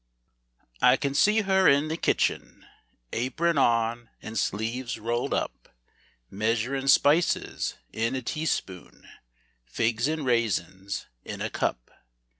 I can see her in the kitchen, Apron on and sleeves rolled up, Measurin' spices in a teaspoon, Figs and raisins in a cup.